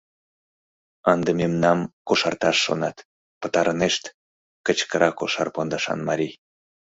— Ынде мемнам кошарташ шонат, пытарынешт! — кычкыра кошар пондашан марий.